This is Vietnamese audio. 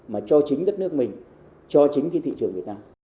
mà cho chính đất nước mình cho chính cái thị trường việt nam